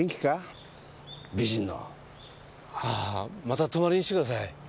また泊まりに来てください。